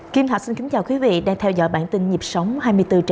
kim thạch xin kính chào quý vị đang theo dõi bản tin nhịp sóng hai mươi bốn h bảy